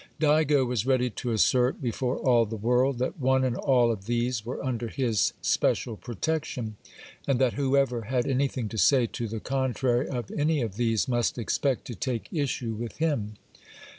Digo was ready to assert before all the world, that one and all of these were under his special protection, and that whoever had anything to say to the contrary of any of these must expect to take issue with him.